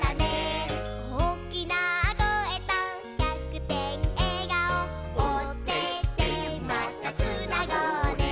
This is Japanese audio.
「おおきなこえと１００てんえがお」「オテテまたつなごうね」